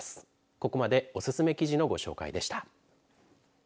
ここまでおすすめ記事のご紹介でした。